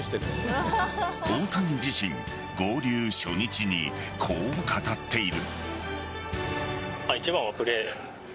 大谷自身合流初日にこう語っている。